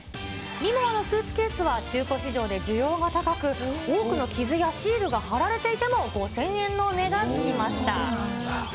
リモワのスーツケースは、中古市場で需要が高く、多くの傷やシールが貼られていても、５０００円の値がつきました。